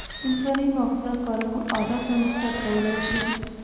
انساني ماغزه خارق العاده پرمختګ کولای شي.